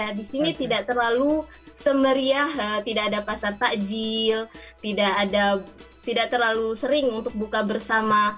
ya di sini tidak terlalu semeriah tidak ada pasar takjil tidak terlalu sering untuk buka bersama